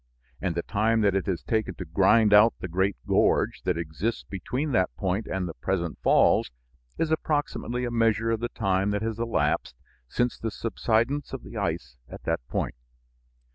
And the time that it has taken to grind out the great gorge that exists between that point and the present falls is approximately a measure of the time that has elapsed since the subsidence of the ice at that point.